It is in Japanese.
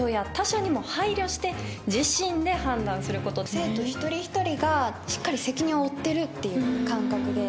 生徒一人ひとりがしっかり責任を負っているという感覚で。